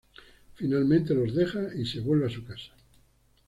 Finalmente, los deja y se vuelve a su casa.